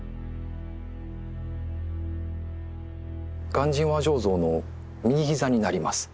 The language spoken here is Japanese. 鑑真和上像の右膝になります。